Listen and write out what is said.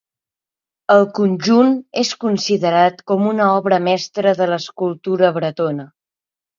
El conjunt és considerat com una obra mestra de l'escultura bretona.